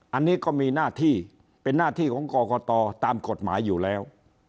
อันนี้ก็มีหน้าที่เป็นหน้าที่ของกรกตตามกฎหมายอยู่แล้ว